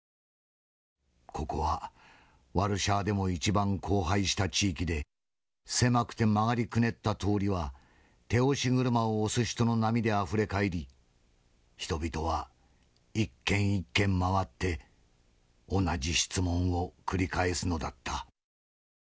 ここはワルシャワでも一番荒廃した地域で狭くて曲がりくねった通りは手押し車を押す人の波であふれ返り人々は一軒一軒回って同じ質問を繰り返すのだった。